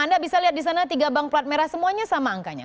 anda bisa lihat di sana tiga bank plat merah semuanya sama angkanya